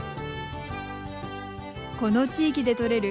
この地域で採れる